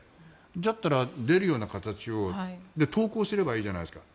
だったら出るような形を投降すればいいじゃないですか。